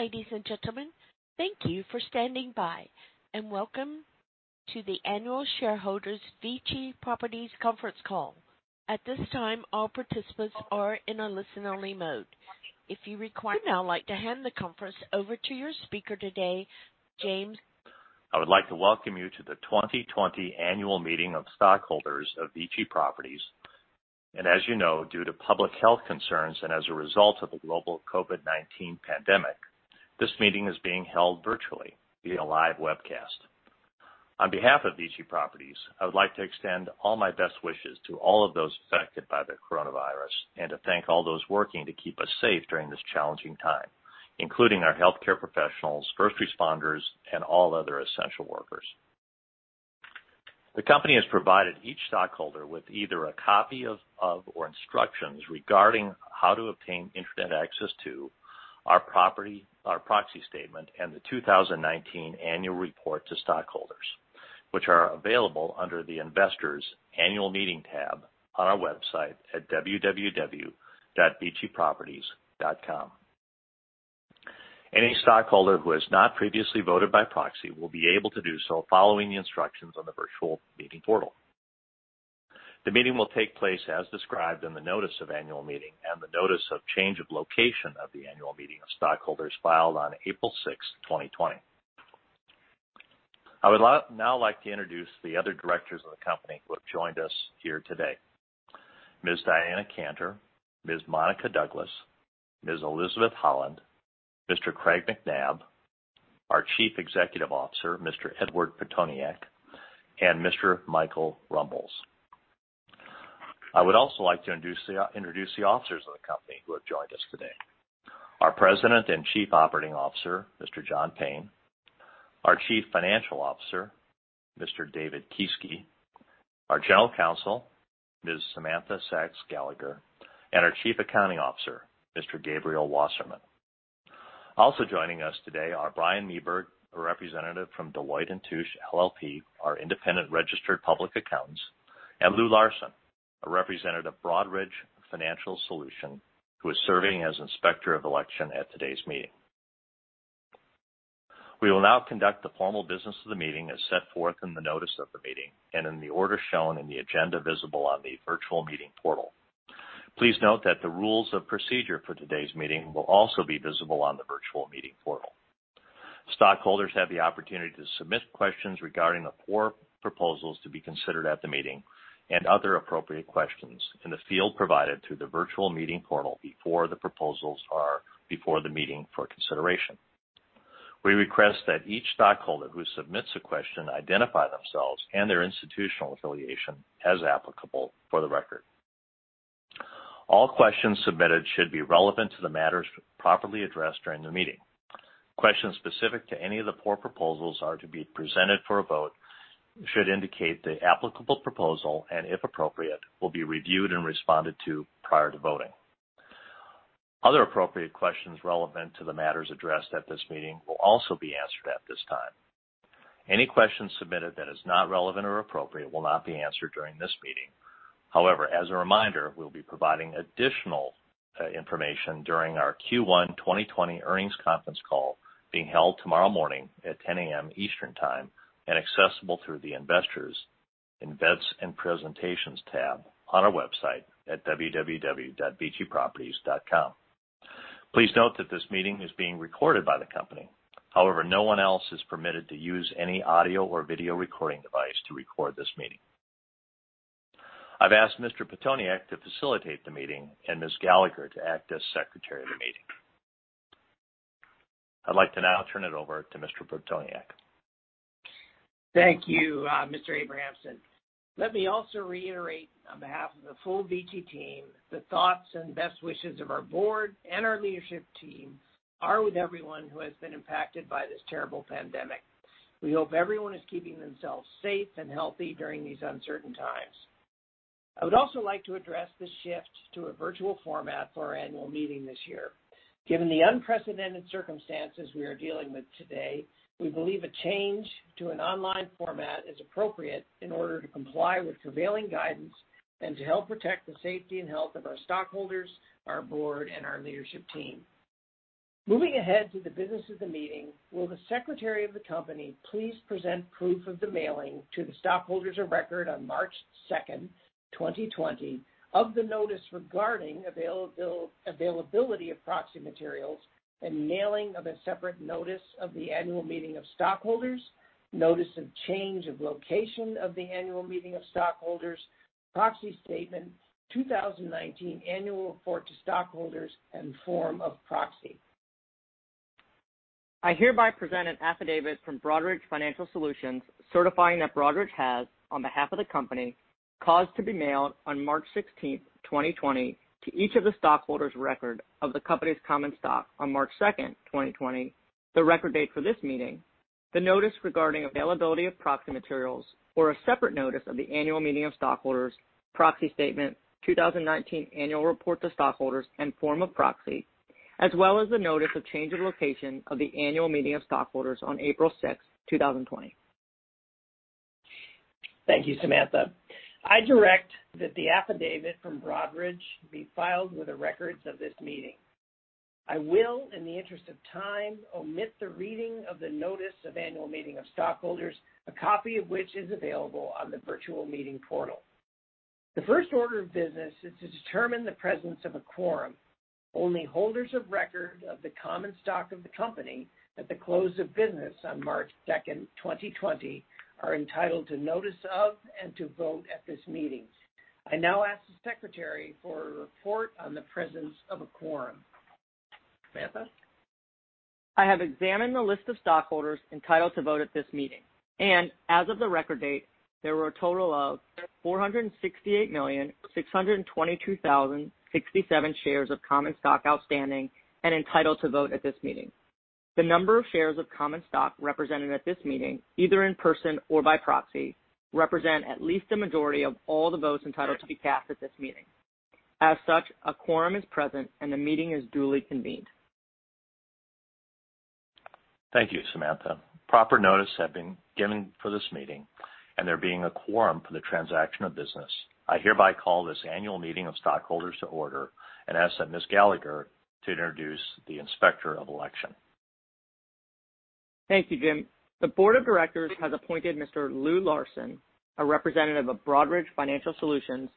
Ladies and gentlemen, thank you for standing by, and welcome to the Annual Shareholders VICI Properties Conference Call. At this time, all participants are in a listen-only mode. I would now like to hand the conference over to your speaker today, James. I would like to welcome you to the 2020 Annual Meeting of Stockholders of VICI Properties. As you know, due to public health concerns and as a result of the global COVID-19 pandemic, this meeting is being held virtually via live webcast. On behalf of VICI Properties, I would like to extend all my best wishes to all of those affected by the coronavirus and to thank all those working to keep us safe during this challenging time, including our healthcare professionals, first responders, and all other essential workers. The company has provided each stockholder with either a copy of or instructions regarding how to obtain internet access to our proxy statement and the 2019 Annual Report to stockholders, which are available under the Investors Annual Meeting tab on our website at www.viciproperties.com. Any stockholder who has not previously voted by proxy will be able to do so following the instructions on the virtual meeting portal. The meeting will take place as described in the Notice of Annual Meeting and the notice of change of location of the Annual Meeting of Stockholders filed on April 6th, 2020. I would now like to introduce the other directors of the company who have joined us here today. Ms. Diana Cantor, Ms. Monica Douglas, Ms. Elizabeth Holland, Mr. Craig Macnab, our Chief Executive Officer, Mr. Edward Pitoniak, and Mr. Michael Rumbolz. I would also like to introduce the officers of the company who have joined us today. Our President and Chief Operating Officer, Mr. John Payne, our Chief Financial Officer, Mr. David Kieske, our General Counsel, Ms. Samantha Sacks Gallagher, and our Chief Accounting Officer, Mr. Gabriel Wasserman. Also joining us today are Brian Mueth, a representative from Deloitte & Touche LLP, our independent registered public accountants, and Lou Larsen, a representative of Broadridge Financial Solutions, who is serving as Inspector of Election at today's meeting. We will now conduct the formal business of the meeting as set forth in the Notice of the Meeting and in the order shown in the agenda visible on the virtual meeting portal. Please note that the rules of procedure for today's meeting will also be visible on the virtual meeting portal. Stockholders have the opportunity to submit questions regarding the four proposals to be considered at the meeting and other appropriate questions in the field provided through the virtual meeting portal before the proposals are before the meeting for consideration. We request that each stockholder who submits a question identify themselves and their institutional affiliation as applicable for the record. All questions submitted should be relevant to the matters properly addressed during the meeting. Questions specific to any of the four proposals are to be presented for a vote should indicate the applicable proposal and, if appropriate, will be reviewed and responded to prior to voting. Other appropriate questions relevant to the matters addressed at this meeting will also be answered at this time. Any questions submitted that is not relevant or appropriate will not be answered during this meeting. As a reminder, we'll be providing additional information during our Q1 2020 earnings conference call being held tomorrow morning at 10:00 A.M. Eastern Time and accessible through the Investors and Presentations tab on our website at www.viciproperties.com. Please note that this meeting is being recorded by the company. No one else is permitted to use any audio or video recording device to record this meeting. I've asked Mr. Pitoniak to facilitate the meeting and Ms. Gallagher to act as Secretary of the meeting. I'd like to now turn it over to Mr. Pitoniak. Thank you, Mr. Abrahamson. Let me also reiterate on behalf of the full VICI team, the thoughts and best wishes of our board and our leadership team are with everyone who has been impacted by this terrible pandemic. We hope everyone is keeping themselves safe and healthy during these uncertain times. I would also like to address the shift to a virtual format for our annual meeting this year. Given the unprecedented circumstances we are dealing with today, we believe a change to an online format is appropriate in order to comply with prevailing guidance and to help protect the safety and health of our stockholders, our board, and our leadership team. Moving ahead to the business of the meeting, will the Secretary of the company please present proof of the mailing to the stockholders of record on March second, 2020 of the notice regarding availability of proxy materials and mailing of a separate notice of the Annual Meeting of Stockholders, notice of change of location of the Annual Meeting of Stockholders, proxy statement, 2019 Annual Report to stockholders, and form of proxy? I hereby present an affidavit from Broadridge Financial Solutions certifying that Broadridge has, on behalf of the company, caused to be mailed on March 16th, 2020, to each of the stockholders of record of the company's common stock on March 2nd, 2020, the record date for this meeting, the notice regarding availability of proxy materials or a separate notice of the annual meeting of stockholders, proxy statement, 2019 Annual Report to stockholders, and form of proxy, as well as the notice of change of location of the Annual Meeting of Stockholders on April 6th, 2020. Thank you, Samantha. I direct that the affidavit from Broadridge be filed with the records of this meeting. I will, in the interest of time, omit the reading of the notice of Annual Meeting of Stockholders, a copy of which is available on the virtual meeting portal. The first order of business is to determine the presence of a quorum. Only holders of record of the common stock of the company at the close of business on March 2nd, 2020, are entitled to notice of, and to vote at this meeting. I now ask the Secretary for a report on the presence of a quorum. Samantha? I have examined the list of stockholders entitled to vote at this meeting, and as of the record date, there were a total of 468,622,067 shares of common stock outstanding and entitled to vote at this meeting. The number of shares of common stock represented at this meeting, either in person or by proxy, represent at least a majority of all the votes entitled to be cast at this meeting. As such, a quorum is present, and the meeting is duly convened. Thank you, Samantha. Proper notice has been given for this meeting, and there being a quorum for the transaction of business, I hereby call this Annual Meeting of Stockholders to order and ask that Ms. Gallagher to introduce the inspector of election. Thank you, Jim. The board of directors has appointed Mr. Lou Larsen, a representative of Broadridge Financial Solutions,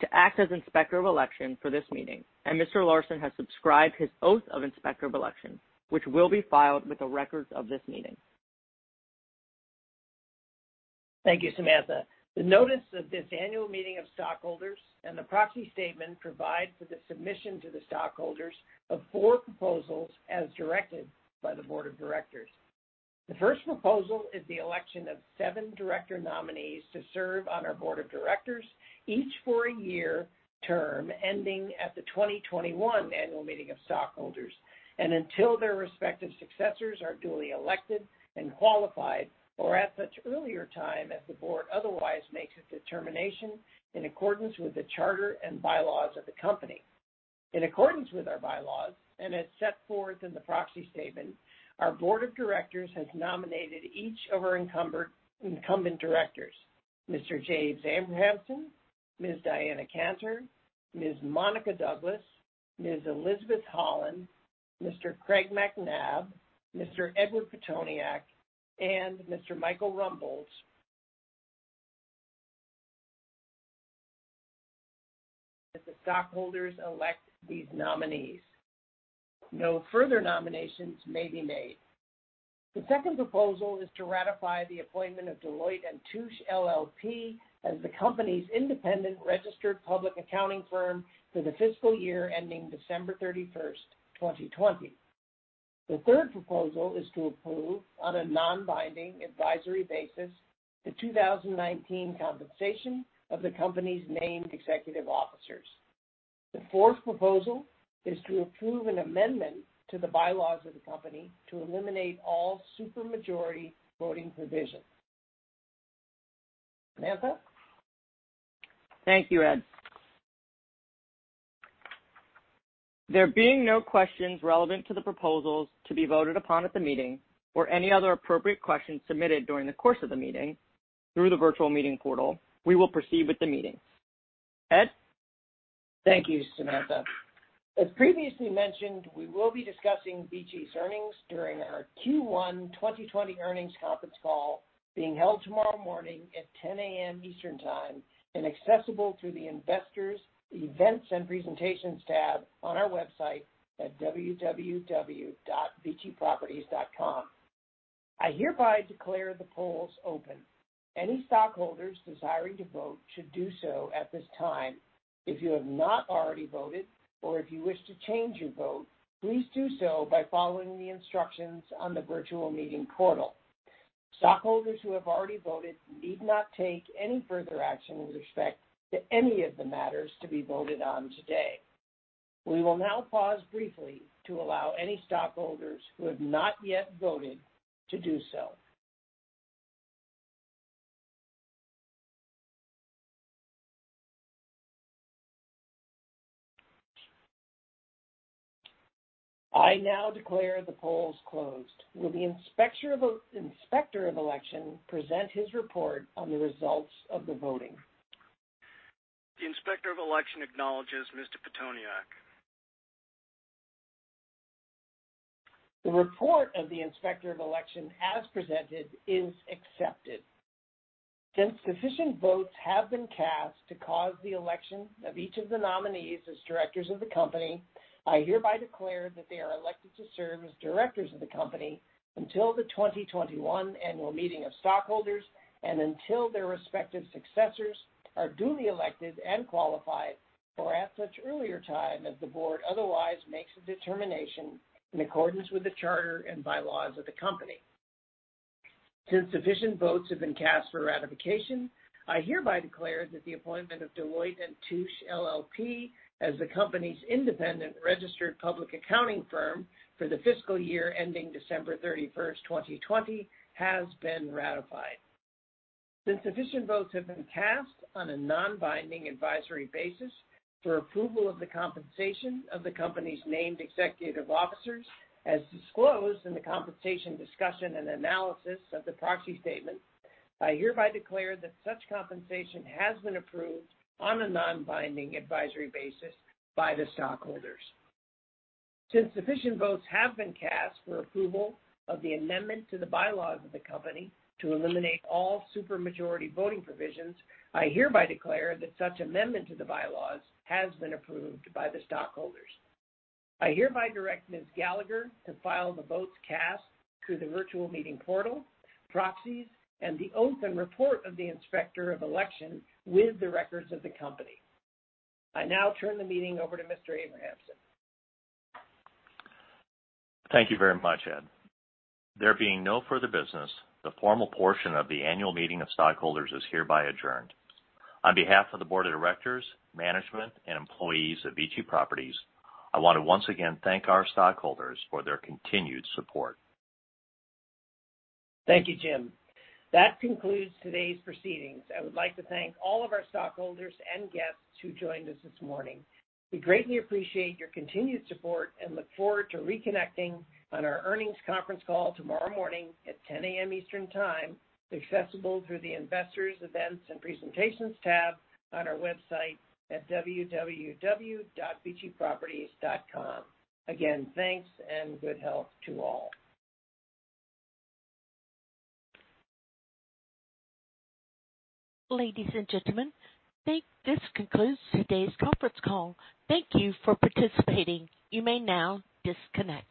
to act as Inspector of Election for this meeting. Mr. Larsen has subscribed his Oath of Inspector of Election, which will be filed with the records of this meeting. Thank you, Samantha. The notice of this Annual Meeting of Stockholders and the proxy statement provide for the submission to the stockholders of four proposals as directed by the board of directors. The first proposal is the election of seven director nominees to serve on our Board of Directors, each for a year term ending at the 2021 Annual Meeting of Stockholders, and until their respective successors are duly elected and qualified, or at such earlier time as the board otherwise makes a determination in accordance with the charter and bylaws of the company. In accordance with our bylaws, and as set forth in the proxy statement, our Board of Directors has nominated each of our incumbent directors, Mr. James Abrahamson, Ms. Diana Cantor, Ms. Monica Douglas, Ms. Elizabeth Holland, Mr. Craig Macnab, Mr. Edward Pitoniak, and Mr. Michael Rumbolz. That the stockholders elect these nominees. No further nominations may be made. The second proposal is to ratify the appointment of Deloitte & Touche LLP as the company's independent registered public accounting firm for the fiscal year ending December 31st, 2020. The third proposal is to approve, on a non-binding advisory basis, the 2019 compensation of the company's named executive officers. The fourth proposal is to approve an amendment to the bylaws of the company to eliminate all super majority voting provisions. Samantha? Thank you, Ed. There being no questions relevant to the proposals to be voted upon at the meeting or any other appropriate questions submitted during the course of the meeting through the virtual meeting portal, we will proceed with the meeting. Ed? Thank you, Samantha. As previously mentioned, we will be discussing VICI's earnings during our Q1 2020 earnings conference call being held tomorrow morning at 10:00 A.M. Eastern Time, and accessible through the Investors Events and Presentations tab on our website at www.viciproperties.com. I hereby declare the polls open. Any stockholders desiring to vote should do so at this time. If you have not already voted or if you wish to change your vote, please do so by following the instructions on the virtual meeting portal. Stockholders who have already voted need not take any further action with respect to any of the matters to be voted on today. We will now pause briefly to allow any stockholders who have not yet voted to do so. I now declare the polls closed. Will the Inspector of Elections present his report on the results of the voting? The Inspector of Election acknowledges Mr. Pitoniak. The report of the Inspector of Election, as presented, is accepted. Since sufficient votes have been cast to cause the election of each of the nominees as directors of the company, I hereby declare that they are elected to serve as directors of the company until the 2021 Annual Meeting of Stockholders and until their respective successors are duly elected and qualified, or at such earlier time as the board otherwise makes a determination in accordance with the charter and bylaws of the company. Since sufficient votes have been cast for ratification, I hereby declare that the appointment of Deloitte & Touche LLP as the company's independent registered public accounting firm for the fiscal year ending December 31st, 2020, has been ratified. Since sufficient votes have been cast on a non-binding advisory basis for approval of the compensation of the company's named executive officers, as disclosed in the compensation discussion and analysis of the proxy statement, I hereby declare that such compensation has been approved on a non-binding advisory basis by the stockholders. Since sufficient votes have been cast for approval of the amendment to the bylaws of the company to eliminate all super majority voting provisions, I hereby declare that such amendment to the bylaws has been approved by the stockholders. I hereby direct Ms. Gallagher to file the votes cast through the virtual meeting portal, proxies, and the oath and report of the inspector of election with the records of the company. I now turn the meeting over to Mr. Abrahamson. Thank you very much, Ed. There being no further business, the formal portion of the Annual Meeting of Stockholders is hereby adjourned. On behalf of the Board of Directors, management, and employees of VICI Properties, I want to once again thank our stockholders for their continued support. Thank you, Jim. That concludes today's proceedings. I would like to thank all of our stockholders and guests who joined us this morning. We greatly appreciate your continued support and look forward to reconnecting on our earnings conference call tomorrow morning at 10:00 A.M. Eastern Time, accessible through the Investors Events and Presentations tab on our website at www.viciproperties.com. Again, thanks and good health to all. Ladies and gentlemen, this concludes today's conference call. Thank you for participating. You may now disconnect.